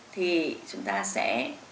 thì chúng ta sẽ